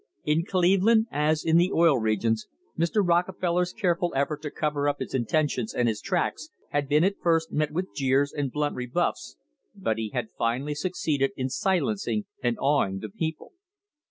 In Cleveland, as in the Oil Regions, Mr. Rockefeller's care ful effort to cover up his intentions and his tracks had been at first met with jeers and blunt rebuffs, but he had finally succeeded in silencing and awing the people.